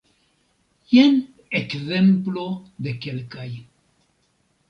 Jen ekzemplo de kelkaj.